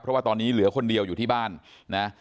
เพราะว่าตอนนี้เหลือคนเดียวอยู่ที่บ้านนะ